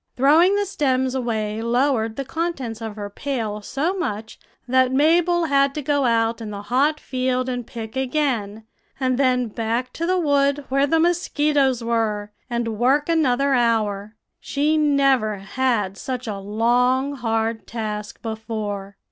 "Throwing the stems away lowered the contents of her pail so much that Mabel had to go out in the hot field and pick again, and then back to the wood where the mosquitoes were, and work another hour. She never had such a long, hard task before.